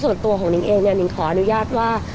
ส่วนตัวของนิงเองเนี่ยนิ่งขออนุญาตว่า